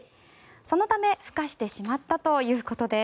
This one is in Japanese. そのため、ふ化してしまったということです。